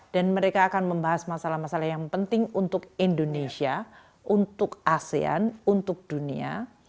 mereka akan membahas masalah masalah yang penting untuk indonesia untuk asean untuk dunia